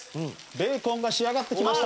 ベーコンが仕上がってきました。